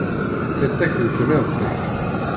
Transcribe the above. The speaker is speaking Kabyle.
Tiṭ-ik di tmiḍt-ik.